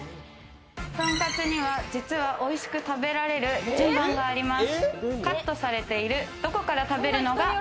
トンカツには実は美味しく食べられる順番があります。